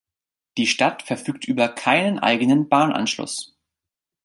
Die Stadt verfügt über keinen eigenen Bahnanschluss.